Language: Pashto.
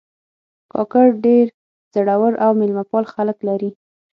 کاکړ ډېر زړور او میلمهپال خلک لري.